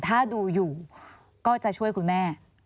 ถ้าดูอยู่ก็จะช่วยคุณแม่